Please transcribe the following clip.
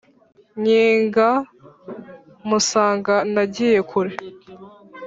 Nkinga musanga nagiye kure